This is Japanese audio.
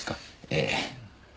ええ。